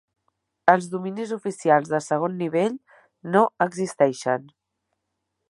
Els dominis oficials de segon nivell no existeixen.